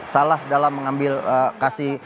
salah dalam mengambil kasih